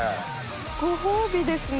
ご褒美ですね。